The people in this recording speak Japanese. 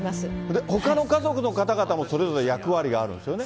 で、ほかの家族の方々も、それぞれ役割があるんですよね。